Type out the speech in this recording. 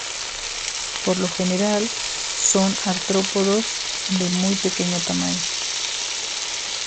Por lo general son artrópodos de muy pequeño tamaño.